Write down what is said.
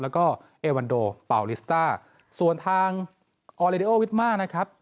แล้วก็เอวันโดเป่าลิสต้าส่วนทางออเลดิโอวิทมานะครับ